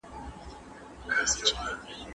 د اوبو ډېر چښل ډاکټر دی.